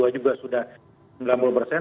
juga sudah sembilan puluh persen